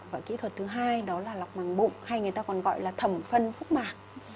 và kỹ thuật thứ hai đó là lọc màng bụng hay người ta còn gọi là thẩm phân khúc mạc